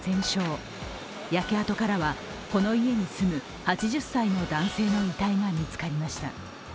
焼け跡からは、この家に住む８０歳の男性の遺体が見つかりました。